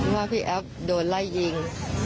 ว่าพี่แอฟโดนไล่ยิง